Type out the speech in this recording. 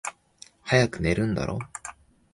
早く寝るんだろ？